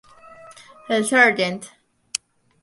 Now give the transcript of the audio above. El Sgto.